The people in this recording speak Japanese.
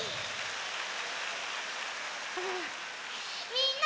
みんな！